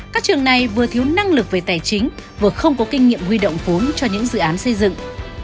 các trường này vừa thiếu năng lực về tài chính vừa không có kinh nghiệm huy động vốn cho những dự án xây dựng